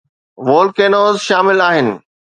volcanoes شامل آهن